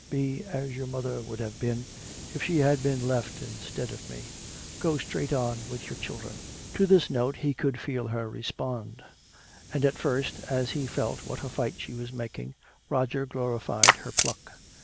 "Be as your mother would have been if she had been left instead of me. Go straight on with your children." To this note he could feel her respond. And at first, as he felt what a fight she was making, Roger glorified her pluck.